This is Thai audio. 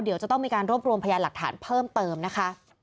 เดี๋ยวจะต้องมีการรวบรวมพยานหลักฐานเพิ่มเติมนะคะ